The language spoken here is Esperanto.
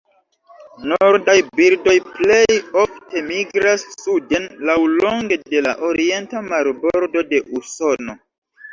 Nordaj birdoj plej ofte migras suden laŭlonge de la orienta marbordo de Usono.